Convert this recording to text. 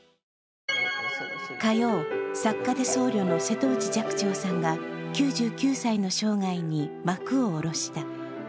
火曜、作家で僧侶の瀬戸内寂聴さんが９９歳の生涯に幕を下ろした。